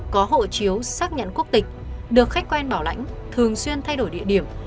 có hộ chiếu xác nhận quốc tịch được khách quen bảo lãnh thường xuyên thay đổi địa điểm